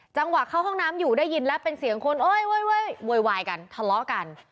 จังหวะเข้าห้องน้ำอยู่ได้ยินแล้วเป็นเสียงคนโอ๊ยโวยวายกันทะเลาะกัน